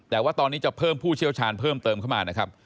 แต่ว่าตอนนี้จะเพิ่มผู้เชี่ยวชาญเพิ่มเติมเข้ามานะครับ